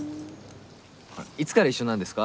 いつから一緒なんですか？